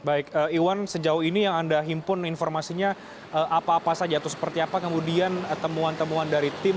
baik iwan sejauh ini yang anda himpun informasinya apa apa saja atau seperti apa kemudian temuan temuan dari tim